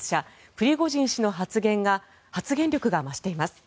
プリゴジン氏の発言力が増しています。